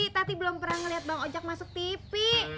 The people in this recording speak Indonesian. tadi belum pernah ngeliat bang ojak masuk tv